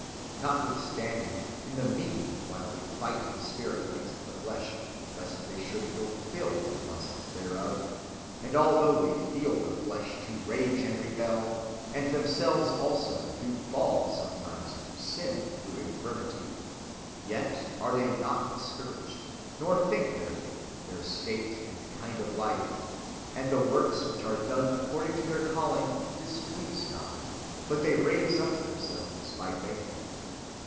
Notwithstanding, in the mean while they fight in spirit against the flesh, lest they should fulfill the lusts thereof; and although they feel the flesh to rage and rebel, and themselves also do fall sometimes into sin through infirmity, yet are they not discouraged, nor think therefore that their state and kind of life, and the works which are done according to their calling, displease God; but they raise up themselves by faith."